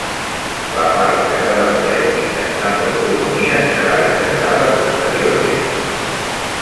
La part que s'ha desprès mitjançant l'autotomia serà regenerada posteriorment.